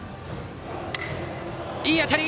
いい当たり！